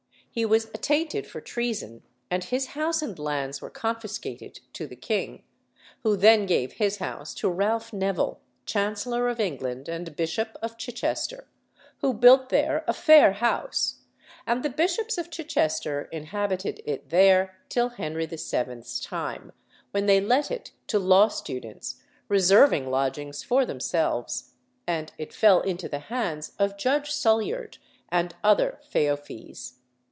He was attainted for treason, and his house and lands were confiscated to the king, who then gave his house to Ralph Neville, Chancellor of England and Bishop of Chichester, who built there "a fair house;" and the Bishops of Chichester inhabited it there till Henry VII.'s time, when they let it to law students, reserving lodgings for themselves, and it fell into the hands of Judge Sulyard and other feoffees.